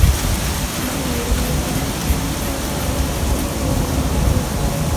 ما وویل: والنتیني ته باید کوم تیاری ونیول شي؟